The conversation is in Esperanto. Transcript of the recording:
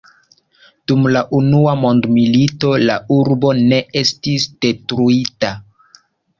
Dum la unua mondmilito la urbo ne estis detruita.